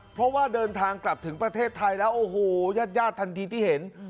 เพราะว่าเดินทางกลับถึงประเทศไทยแล้วโอ้โหญาติญาติทันทีที่เห็น